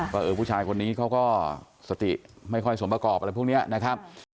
ว่าเออผู้ชายคนนี้เขาก็สติไม่ค่อยสมประกอบอะไรพวกนี้นะครับ